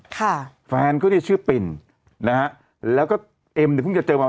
ค่ะแฟนเขาเนี่ยชื่อปิ่นนะฮะแล้วก็เอ็มเนี่ยเพิ่งจะเจอมา